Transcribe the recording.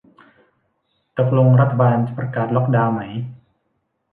ตกลงรัฐบาลจะประกาศล็อกดาวไหม